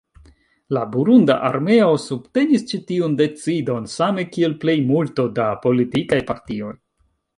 La burunda armeo subtenis ĉi tiun decidon, same kiel plejmulto da politikaj partioj.